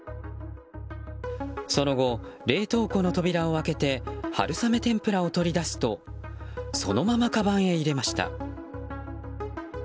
その後、冷凍庫の扉を開けて春雨天ぷらを取り出すとそのまま、かばんへ入れました。